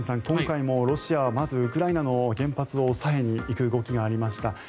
今回もロシアはまずウクライナの原発を押さえに行く動きがありました。